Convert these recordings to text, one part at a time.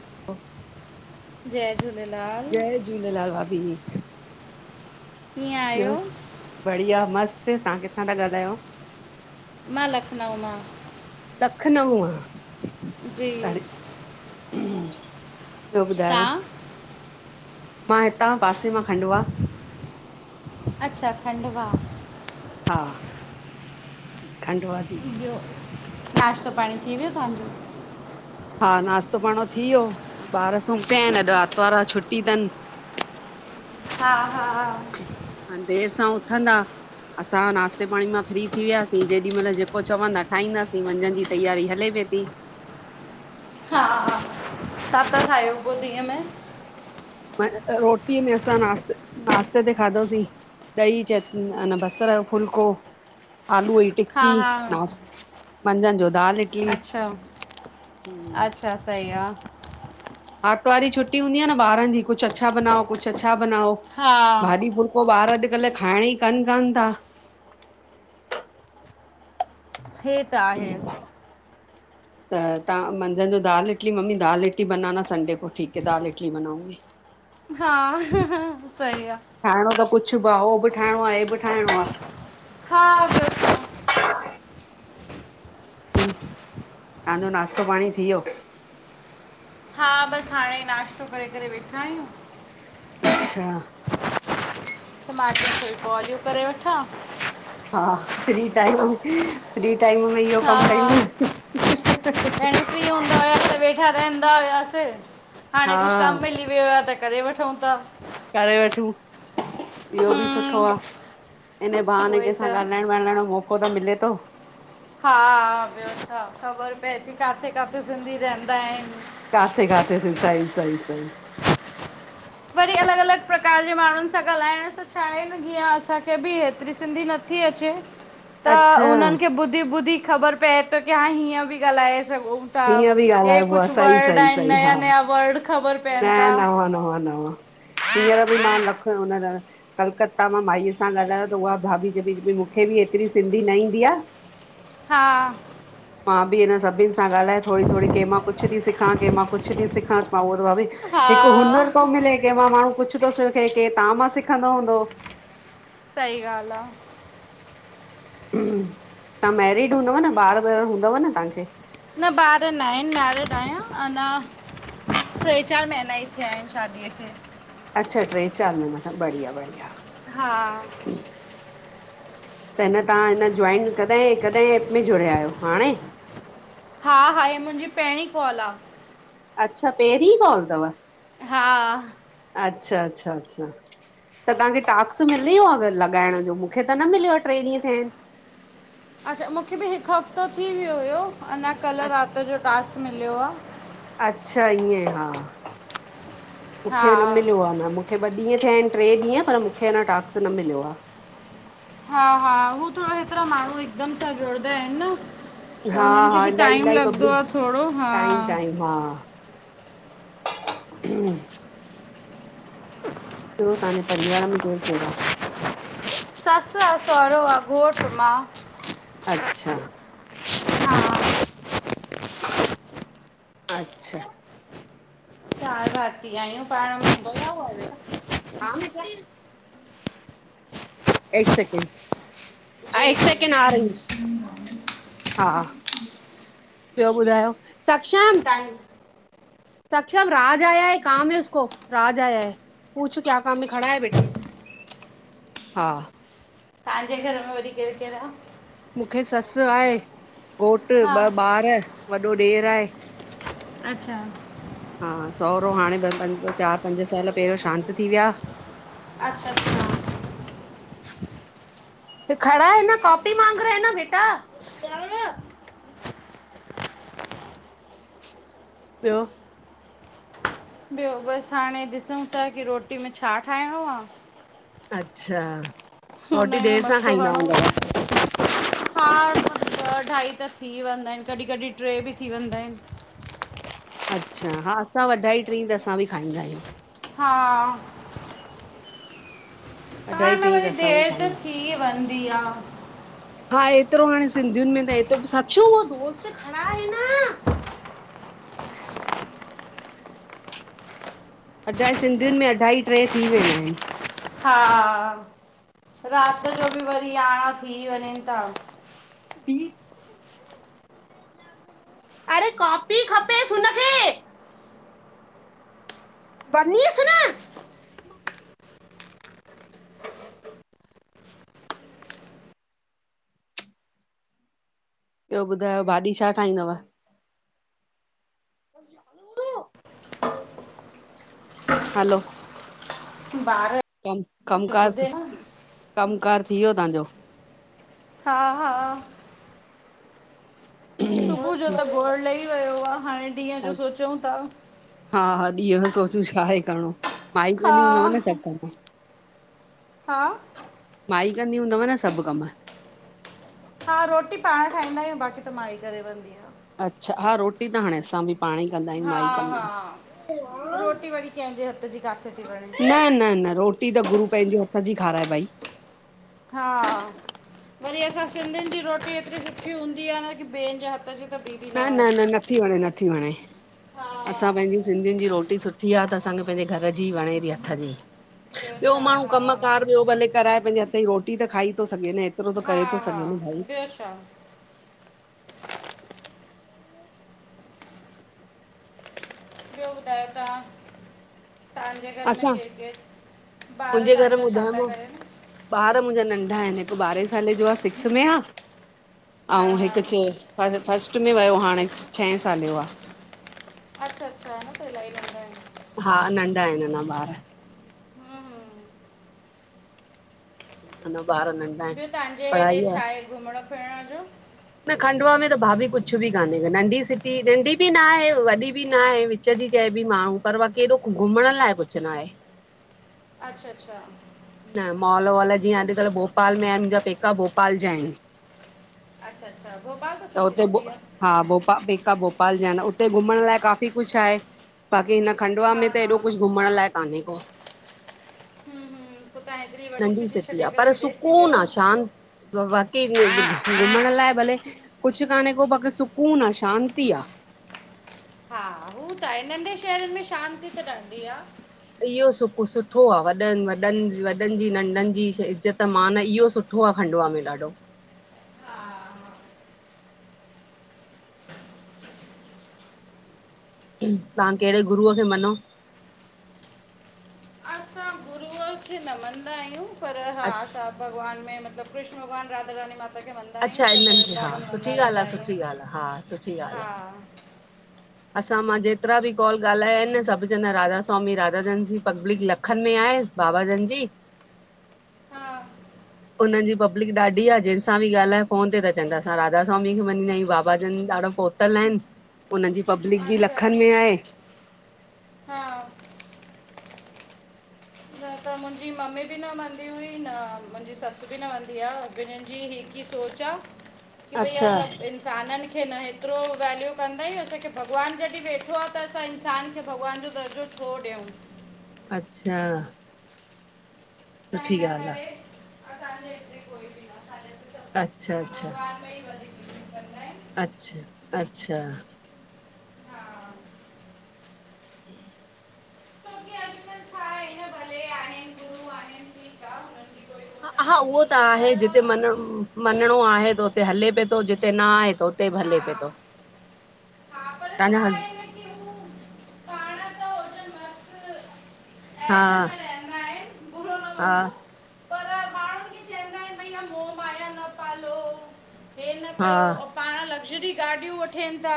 [inaudible] जय झूलेलाल! जय झूलेलाल, भाभी। कीअं ॿियो आयो। बढ़िया, मस्त तां किथां ता ॻाल्हायो? मां लखनऊ मां। लखनऊ! जी। ॾाढी ॿियो ॿुधायो। तव्हां मां हितां पासे मां खंडवा। अच्छा, खंडवा! हा, जी खंडवा जी। ॿियो नाश्तो पाणी थी वियो तांजो। हा नाश्तो पाणो थी वियो ॿार सुम पिया इन अॼ आतवार आ छुटी तन। हा-हा। हाण देर सां उथंदा। असां नाश्ते पाणी मां फ्री थी वियासीं जेॾी मल जेको चवंदा ठाईंदासीं मंझंद जी तयारी हले पई ती। हा हा छाता ठायो पो ॾींहं में? म रोटीअ में असां नश्त नाश्ते ते खादोसीं। ॾही चट अन बसर जो फुलको आलू जी हा टिक्की हा नास्त मंझन जो दाल इटली हूं। त सई आ। आर्तवार ॾींहं छुटी हूंदी आ न ॿारन जी कुछ अछा बनाओ कुछ अछा बनाओ हा भाॼी फुल्का। पो ॿार अॼकल खाइण जी कन कान ता। हे त आहे। त तां मंझन जो दाल इटली मम्मी दाल इटली बनाना संडे को ठीक है दाल इडली बनाऊंगी। हा सई आ। ठाइणो त कुछ ब ओ बि ठाइणो आ हे बि ठाइणो आ हा! ॿियो छा तांजो नाश्तो पाणी थी वियो। हा बस हाणे ई नाश्तो करे करे वेठा आयूं। अच्छा! त मां चयो थोड़ी कॉल ई करे वठां। हा फ्री टाइम फ्री टाइम में इयो कम कयूं हा न। वांदा हुआसे हाणे हा कुछ कम मिली वियो आ त करे वठऊं ता। करे वठूं इयो बि सुठो हम्म, आ इन उहो बहाने ई केंसां त ॻाल्हाइण मनण जो मौको त मिले तो। हा ॿियो छा ख़बर पए ती काथे काथे सिंधी रहंदा आइन। काथे काथे स सई सई सई वरी अलॻ अलॻ प्रकार जे माणुन सां ॻाल्हाइण सां छा आए‌न जीअं असांखे बि हेतरी सिंधी नथी अचे त अच्छा हुनन खे ॿुधी ॿुधी ख़बर पए तो की हाण हीअं बि ॻाल्हाए सघूं हीअं बि हे ॻाल्हाइबो कुझ आहे सही वर्ड सही आहिन सही हा नया नया वर्ड ख़ब - - न न व न व न हींअर बि मांख हुन - - कलकत्ता मां माईअ सां ॻाल्हायो त उहा भाभी चवे मूंखे बि एतिरी सिंधी न ईंदी आ। हा - - मां बि हिन सभिन सां ॻाल्हाए थोरी थोरी कंहिमां कुछ थी सिखां कंहिमां कुछ थी सिखां। हा हिकु हुनर थो मिले के मां माणहू कुछ थो सिखे के तव्हां मां सिखंदो हूंदो। सही ॻाल आ। तव्हां मैरिड हूंदव न ॿार व हूंदव न तव्हांखे। न ॿार न आहिन मैरिड आहिया अञा - - ट्रे चार महीना ई थिया आहिन शादीअ खे। अच्छा ट्रे चार महिना मथ बढ़िया- बढ़िया। हा - - त हिन तव्हां हिन जइन कॾहिं- कॾहिं एप में जुड़िया आहियो हाणे। हा -हा हे मुंहिंजी पहिरीं कॉल आ। अच्छा पहिरीं कॉल अथव। हा - - अच्छा-अच्छा- अच्छा - - त तव्हांखे टास्कस मिल वियो अगर लॻाइण जो मूंखे त न मिलियो आहे ट्रे ॾींहं थिया आहिन। अच्छा! मूंखे बि हिक हफ़्तो थी वियो हुयो अञा कल्ह रात जो टास्क मिलियो आ। अच्छा ईएंं हा हा मूंखे न मिलियो आ न। मूंखे ॿ ॾींहं थिया आहिन ट्रे ॾींहं पर मूंखे अञा टास्क्क न मिलियो आ। हा- हा हू थोरा हेतिरा माणहू हिकदम सां जुड़ंदा आहिन न। त हा हुनन खे हा बि इलाही टाइम इलाही लॻंदो आ पब्लिक थोरो हा। टाइम हा टाइम - - हम्म - - बीइयो त्हांजे परिवार में केरु पा - - सस आ सुहरो आ घोठ मां। अच्छा - - हा अच्छा - - चार भाती आहियूं पाण में। कया हुआ आहे बेटा हा बेटा - - हिक सेकड हा जी हिक जी सेकेंड आ रह - - हा ॿियो ॿुधायो - - ऐं - - [inaudible] सक्षम राज आया हे काम हे उसको राज आया हे। पूछो क्या काम में खड़ा हे बेटा हा। तव्हांजे घर में वरी केर केर आ। मूंखे ससु आहे घोट हा ॿ ॿार वॾो ॾेर आहे। अच्छा - - हा सहुरो हाणे चार पंज साल पहरियों शांत थी विया। अच्छा- अच्छा - - तो खड़ा हे न कॉपी माग रहा ह न बेटा। ॿियो - - ॿियो बस हाणे ॾिसूं था की रोटी में छा ठाहिणो आ। अच्छा रोटी देर सां खाईंदा हूंदव। हार ॿ अढाई त थी वेंदा आहिन कॾहिं कॾहिं ट्रे भी थी वेंदा आहिन। अच्छा! हा असां वढाई टीं त असां बि खाईंदा आहियूं। हा अढाई पाण में टीं वरी त असां बि खाईंदा देर त आहियूं थी वेंदीआ। हा हेएतिरो हाणे सिंधियुन में त हेतुब् साचू वो दोस्त खड़ा हे ना - - अढाई सिंधियुनि में अढाई टे् थी वेंदा आहिन। हा रात जो बि वरी यारहं थी वञनि था। बि अगरि ओ अरे कॉपी खपेस हुनखे। वनीस न। ॿियो ॿुधायो भाॼी छा ठाहिंदव? जा रा हूँ ना हलो। ॿार। कम कम कार थ ॿुधे न कम कार थी वयो तव्हांजो? हा हा। सुबुह जो त गौढ लही वयो आहे हाणे ॾींहं जो सोचयू ता। हा हा ॾींह यो सोचूं छा आहे करणो? माई ॿ कंदी हूंदव न हा सभ कम त हा। माई कंदी हूंदव न सभ कम? हा रोटी पाण ठाहींदा आहियूं बाक़ी त मांई करे वेहंदी आ। अच्छा हा रोटी त हाणे असां बि पाण ई कंदा आहियूं हा माई कम हा रोटी वरी कंहिंजे हथ जी किथे थी वणे न न न रोटी टी त गुरू पहिंजे हथ जी खाराए भाई। हा वरी असां सिंधियुनि जी रोटी एतिरी सुठी हूंदी आह न की ॿियन जे हथ जी। त ॿी बि न न न वणंदी आहे नथी वणे नथी वणे असां हा पहिंजी सिंधियुनि जी रोटी सुठी थी आह त असांखे पहिंजे घर जी ही वणे थी हथ जी ॿियो छा माण्हू हा कमकार ॿियो भले। कराए पहिंजे हथ जी रोटी त खाई थो सघे न एतिरो त हा करे थो हा सघे न भाई। ॿियो छा ॿियो ॿुधायो तव्हां? तव्हांजे घर में असां केर केर ॿार मुंहिंजे घर में तव्हांजा छा था ॿुधायोमांव करेन? ॿार मुहिंजा नंढा आहिनि हिक ॿारहें साले जो आहे सिक्स में आ। हा ऐं हा हिक चो पहिंजे फस्ट में वयो हाणे छहे साले जो आहे अच्छा अच्छा न त ईलाही नंढा आहिनि। हा नंढा आहिन अञा ॿार। हम्म, हम्म। अञां ॿार नं। ॿियों तव्हांजे हेॾे छा आहे घुमणु फिरण जो? न खंडवा में त भाभी कुछ बि काने नंढी सिटी नंढी बि न आहे वॾी बि न आहे विच चजी चएबि माणु पर वाकी हेॾो घुमण लाइ कुछ नाहे। अच्छा अच्छा। न मॉल वॉल जीअं अॼुकल भोपाल में आहिन मुंहिंजा पेका भोपाल जा आहिन। अच्छा अच्छा भोपालत त हुते भु हा भोपाल पेंकाभोपाल जा आहिन उते घुमण लाइ काफ़ी कुछ आहे। बाक़ी हिन खंडुवा हा में त हा हेॾो कुछ घुमण लाइ काने को। हुं हुं पोइ तहां हेतरी वॾी नंढी सिटी छॾे करे हेॾे अची वयव वाकई घुमण लाइ भले कुछ काने को बाक़ी सुकून आहे शांती आ। हा हू त आहे नंढे शहरन में शांती त रहंदी आ। इहो सु सुठो आ। वॾनि- वॾनि- वॾनि जी नंढनि जी इज़्ज़त- मानु इहो सु सुठो आ खंडुआ में ॾाढो। हा हा तव्हां केहिड़े गुरूअ खे मञो? असां गुरूअ गुरूअ खे न मञदा आहियूं, पर हा अच असां भॻवानु में मतिलबु कृष्ण भॻवानु- राधा- रानी मां। अच्छा इन्हनि खे हा, सुठी ॻाल्हि आ- आहियूं सुठी ॻाल्हि आ- हा सुठी हा ॻाल्हि आ। असां मां जेतिरा बि कॉल ॻाल्हाया आहिनि न सभु चवंदा आहिन राधा- स्वामी राधा- जनि सी, पब्लिक लखनि में आहे। बाबा जनि जी। हा हुननि जी पब्लिक ॾाढी आ, जहिं सां बि ॻाल्हाए, फोन ते चवंदा असां राधास्वामी खे मनींदा आहियूं। बाबा जनि ॾाढो प तल आहिन। उननि जी पब्लिक बि अच्छा लखनि में आहे। हा न त मुंहिंजी मम्मी बि न मनंदी हुई न मुंहिंजी ससु बि न मनंदी आ। ॿिन्हिन जी हि इ सोचां की भई अच्छा असां इंसाननि खे न हेतरो वैल्यू कंदा आहियूं। असांखे भॻवानु जॾहिं वेठो आ त असां इन्सानु खे भॻवानु जो दर्जो छो ॾियऊं? अच्छा। त सुठी हिनि ॻाल्हि आ करे असांजे हिते कोई भी न असांजे अच्छा- अच्छा। कंदा एनि। अच्छा- अच्छा [inaudible] छोकी अॼुकल्ह छा आहे न, भले आहिनि गुरू आहिनि, ठीकु आ। हुनन्जी हा उहो त आहे, जिते मञ मञंणो आहे त ते हले पियो तो, जिते न आहे त उते बि हले पियो तो, तव्हांजा हस हा। आहिनि, बुरो न हा। मञिजो पर माण्हुनि खे चवंदा आहिनि, भईया मोह- माया न पालो। हे न हा पाणु लग्ज़री गाॾियूं वठेनि ता,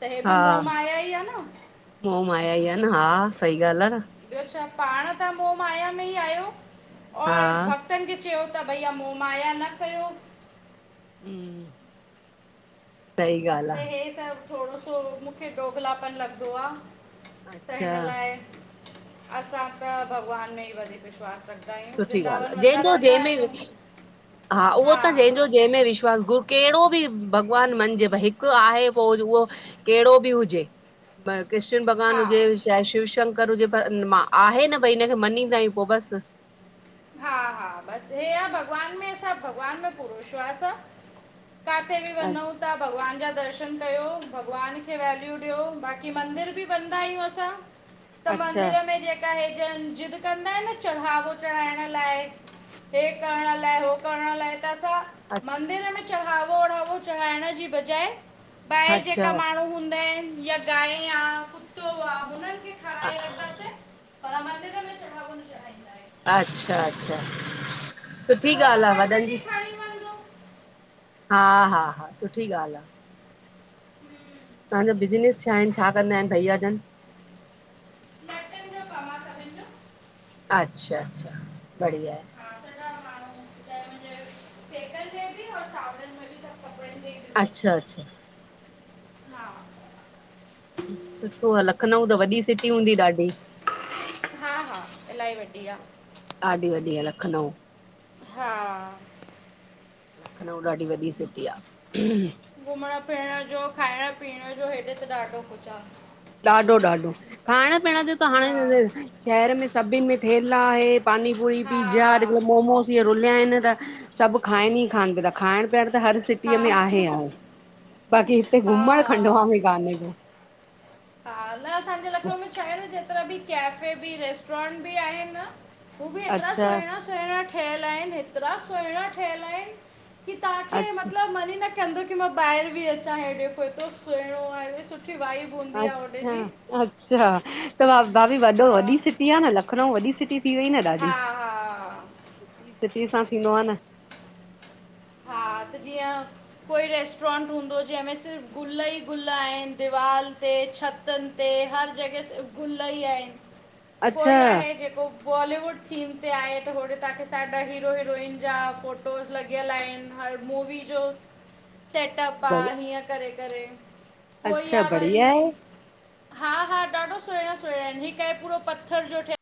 त हे बि हा मोह- माया ई आ न? मोह- माया ई आ न, हा सही ॻाल्हि आ न? ॿियो छा, पाणु त मोह- माया में ई आहियो। हा तनि खे चयो ता, भई मोह- माया न कयो। हम्म। सही ॻाल्हि त हे आ सभु थोड़ो सो मूंखे दोगलापन लॻदो आ। त अच्छा हिनि लाए असां त भॻवानु में ई वधीक विश्वासु रख सुठी ॻाल्हि आ। जंहिंजो- जंहिंमें हा उहो त जंहिंजो जंहिंमें विश्वास गुर केहिड़ो भी भॻवानु मञिजे, भई हिकु आहे पो उहो केहिड़ो बि हुजे, भ कृष्ण हा भॻवानु हुजे। चाहे शिव -शंकर हुजे पर मां आहे न भई हिनखे मञीदा आहियूं, पोइ बसि हा-हा बसि हे आ। भॻवानु में सभु भॻवानु में पूरो विश्वासु आ। काथे बि वञऊं ता, भॻवानु जा दर्शनु दर्शन कयो, भॻवानु खे वैल्यू ॾियो। बाक़ी मंदिर भी वेनदा आहियूं असां। त अच्छा। मंदिर में जेका हे ज ज़िद कंदा आहिन न चढ़ावो कराइणु लाए- हे करणु लाइ -हो करणु लाइ त असां अ- मंदिरु में चढ़ोओ- वढ़ाओ चढ़ाइण जे बजाए, ॿाहिर अच्छा, जेका माण्हूं हूंदा आहिन या गायं आ- कुत्तों आ हुननि खे खा हा [unintelligible] पर मंदिरु में चढ़ावो न चणाइ अच्छा- अच्छा सुठी ॻाल्हि आ। वॾनि जी हा- हा- हा सुठी ॻाल्हि आ। हम्म तव्हांजो बिज़नेस छा आहे, छा कंदा आहिनि भइया जनि? लटनु जो कमु आ असा अच्छा- अच्छा बढ़िया आहे। हा सॼा माण्हूं, चाहे मुंजे पेकन में भी और सावरनि में भी सभु कपड़नि जे अच्छा- अच्छा। हा सुठो आ, लखनऊ त वॾी सिटी हूंदी ॾाढी? हा- हा इलाही वॾी आ। ॾाढी वॾी आ लखनऊ। हा। लखनऊ ॾाढी वॾी सिटी आ। घुमणु- फिरणु जो- खाइणु- पीअणु जो हेॾे त ॾाढो कुछ आ। ॾाढो -ॾाढो- खाइणु-पीअणु जो त हा हाणे शहरु में सभिनि में थेला हे पानी- पुरी, हा पिज़ा हा अॼुकल्ह मोमोस इ रुलिया आहिनि त सभु खाइनि ई खाइन नि पियनि ता, खाइणु पीअणु त हर हा सिटीअ में आहे हो, बाक़ी हिते हा घुमणु हा खंडवा में काने को। हा न असांजे लखनऊ में छा आहे न जेतिरा बि केफे बि रेस्टोरेंट बि आहिनि न? हू बि हेतिरा अच्छा सुहिणा- सुहिणा ठहियलु आहिनि। हेतिरा सुहिणा ठहियलु आहिनि। की तव्हांखे अच्छा मतिलबु मन ही न कन्दो की मां ॿाहिर बि अचां, हेॾे पयो तो सुहिणो आ, सुठी वाइबु अच्छा-अच्छा त भाभी हा वॾो-वॾी सिटी आ न, लखनऊ वॾी सिटी थी वई न ॾाढी, हा हा सिटी-सिटी सां थींदो आहे न? हा त जीअं कोई रेस्टोरेंट हूंदो, जंहिंमें सिर्फ़ु गुल ई ग़ुल आहिनि, दीवालु ते छत छतनि ते हर जॻह सिर्फ़ गुल ई आहिनि। अच्छा कोई आहे जेको बॉलीवुड थीम ते आहे त, होॾे तव्हांखे साढा हीरो- हीरोइन जा फ़ोटोस लॻियलु आहिनि। मूवी जो सेटअप आ, हीअं करे- करे। कोई अच्छा या वरी बढ़िया आहे हा- हा ॾाढा सुहिणा-सुहिणा आहिनि। हिकु आहे जो पूरो पत्थर जो ठहियलु